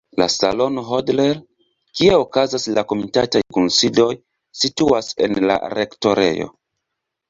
La salono Hodler, kie okazas la komitataj kunsidoj, situas en la rektorejo.